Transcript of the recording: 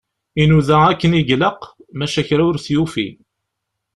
Inuda akken i ilaq, maca kra ur t-yufi.